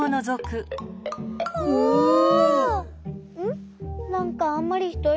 なんかあんまりひといないね。